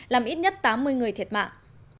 làm ít nhất tám mươi người thiệt mạng